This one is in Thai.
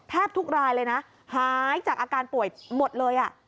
ทุกรายเลยนะหายจากอาการป่วยหมดเลย